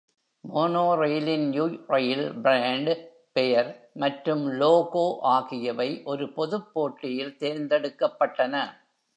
மோனோரெயிலின் "Yui Rail" brand பெயர் மற்றும் logo ஆகியவை ஒரு பொதுப் போட்டியில் தேர்ந்தெடுக்கப்பட்டன.